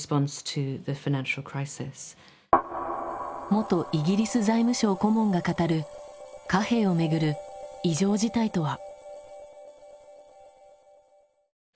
元イギリス財務省顧問が語る貨幣をめぐる異常事態とは？